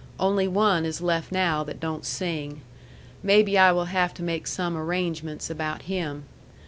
Only one is left now that don't sing. Maybe I will have to make some arrangements about him.